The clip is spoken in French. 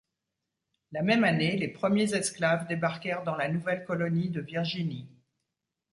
La même année, les premiers esclaves débarquèrent dans la nouvelle colonie de Virginie.